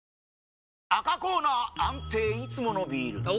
赤コーナー安定いつものビール！